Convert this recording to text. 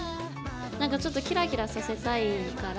何かちょっとキラキラさせたいから。